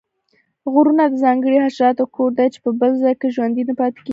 غرونه د ځانګړو حشراتو کور دی چې په بل ځاې کې ژوندي نه پاتیږي